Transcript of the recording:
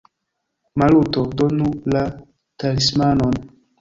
Maluto, donu la talismanon!